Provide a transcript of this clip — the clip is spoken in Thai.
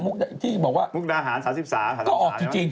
มุกดาหาร๓๓มุกดาหารก็ออกจริง